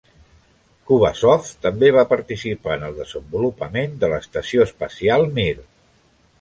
Kubasov també va participar en el desenvolupament de l'estació espacial Mir.